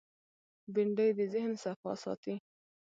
بېنډۍ د ذهن صفا ساتي